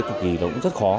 thì nó cũng rất khó